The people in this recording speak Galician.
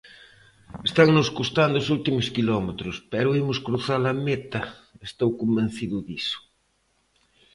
Estannos custando os últimos quilómetros, pero imos cruzar a meta, estou convencido diso.